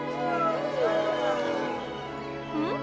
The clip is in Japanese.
・うん？